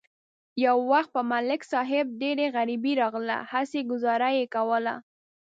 یو وخت په ملک صاحب ډېره غریبي راغله، هسې گذاره یې کوله.